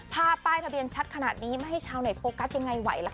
ป้ายทะเบียนชัดขนาดนี้ไม่ให้ชาวเน็ตโฟกัสยังไงไหวล่ะค่ะ